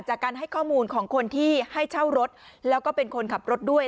จากการให้ข้อมูลของคนที่ให้เช่ารถแล้วก็เป็นคนขับรถด้วย